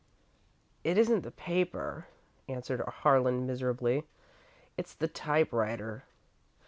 "It isn't the paper," answered Harlan, miserably; "it's the typewriter."